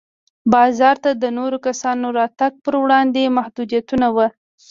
بازار ته د نورو کسانو راتګ پر وړاندې محدودیتونه وو.